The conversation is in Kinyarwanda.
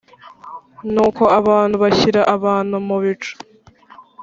Nuko Abisirayeli bashyira abantu mu bico